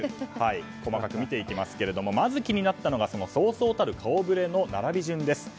細かく見ていきますがまず気になったのがそうそうたる顔ぶれの並び順です。